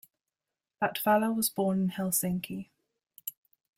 Latvala was born in Helsinki.